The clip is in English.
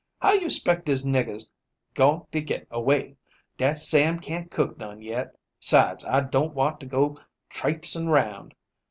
"How you 'spect dis nigger's going to get away? Dat Sam can't cook none yet. 'Sides I don't want to go trapsing 'round.